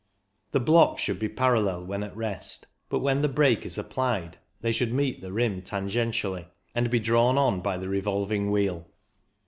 The blocks should PURELY MECHANICAL 229 be parallel when at rest, but when the brake is applied they should meet the rim tangentially, and be drawn on by the revolving wheel.